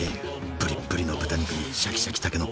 ぶりっぶりの豚肉にシャキシャキたけのこ。